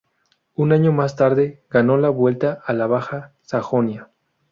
Un año más tarde ganó la Vuelta a la Baja Sajonia.